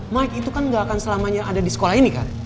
mike itu kan gak akan selamanya ada di sekolah ini kan